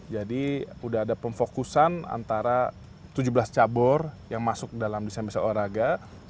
jadi udah ada pemfokusan antara tujuh belas cabur yang masuk dalam desain besar olahraga